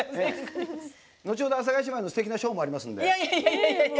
後ほど、阿佐ヶ谷姉妹のステキなショーもありますので。